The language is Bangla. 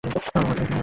ও আমার প্রেমিক নয়!